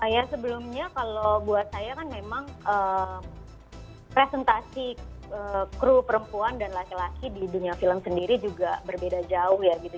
ya sebelumnya kalau buat saya kan memang presentasi kru perempuan dan laki laki di dunia film sendiri juga berbeda jauh ya gitu